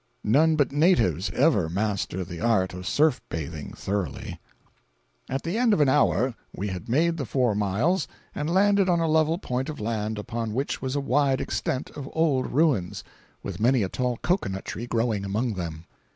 None but natives ever master the art of surf bathing thoroughly. 526.jpg (33K) At the end of an hour, we had made the four miles, and landed on a level point of land, upon which was a wide extent of old ruins, with many a tall cocoanut tree growing among them.